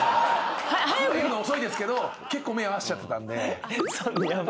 言うの遅いですけど結構目合わしちゃってたんで。